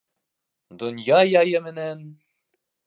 Донъя яйы менән